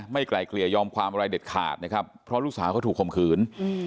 ไกลเกลี่ยยอมความอะไรเด็ดขาดนะครับเพราะลูกสาวก็ถูกคมขืน